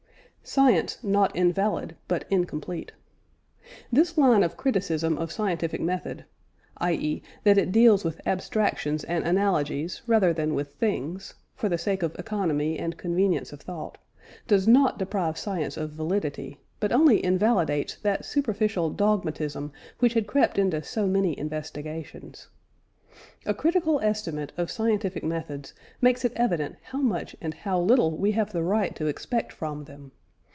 " SCIENCE NOT INVALID BUT INCOMPLETE. This line of criticism of scientific method i.e. that it deals with abstractions and analogies rather than with things, for the sake of economy and convenience of thought does not deprive science of validity, but only invalidates that superficial dogmatism which had crept into so many investigations. A critical estimate of scientific methods makes it evident how much and how little we have the right to expect from them.